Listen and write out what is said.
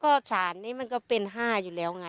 ก็สารนี้มันก็เป็น๕อยู่แล้วไง